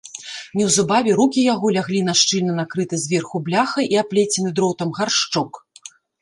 Неўзабаве рукі яго ляглі на шчыльна накрыты зверху бляхай і аплецены дротам гаршчок.